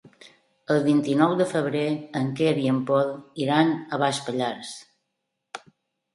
El vint-i-nou de febrer en Quer i en Pol iran a Baix Pallars.